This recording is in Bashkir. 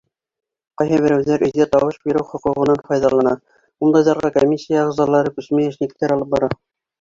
Ҡайһы берәүҙәр өйҙә тауыш биреү хоҡуғынан файҙалана, ундайҙарға комиссия ағзалары күсмә йәшниктәр алып бара.